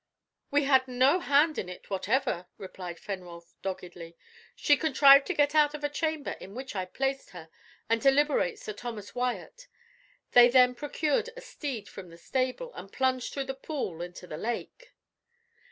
"We had no hand in it whatever," replied Fenwolf doggedly. "She contrived to get out of a chamber in which I placed her, and to liberate Sir Thomas Wyat. They then procured a steed from the stable, and plunged through the pool into the lake."